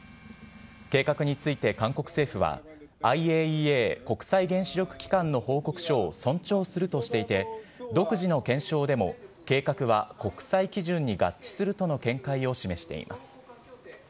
計画について韓国政府は、ＩＡＥＡ・国際原子力機関の報告書を尊重するとしていて、独自の検証でも、計画は国際基準に合致するとの見解を示しています。